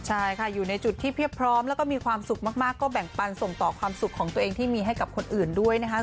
ใช่ค่ะอยู่ในจุดที่เพียบพร้อมแล้วก็มีความสุขมากก็แบ่งปันส่งต่อความสุขของตัวเองที่มีให้กับคนอื่นด้วยนะคะ